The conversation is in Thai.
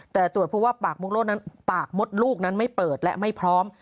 แต่ตรวจพูดว่าปากมดลูกนั้นไม่เปิดและไม่พร้อม